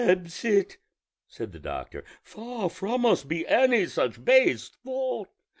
"Absit," said the doctor; "far from us be any such base thought!